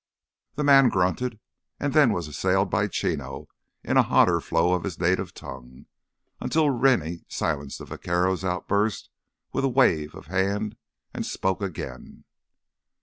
The man grunted and then was assailed by Chino in a hotter flow of his native tongue, until Rennie silenced the vaquero's outburst with a wave of hand and spoke again.